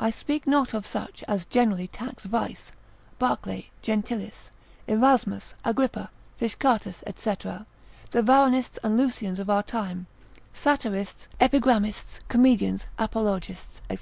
I speak not of such as generally tax vice, Barclay, Gentilis, Erasmus, Agrippa, Fishcartus, &c., the Varronists and Lucians of our time, satirists, epigrammists, comedians, apologists, &c.